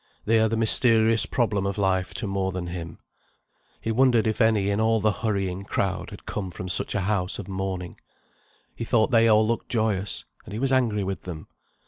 They are the mysterious problem of life to more than him. He wondered if any in all the hurrying crowd had come from such a house of mourning. He thought they all looked joyous, and he was angry with them.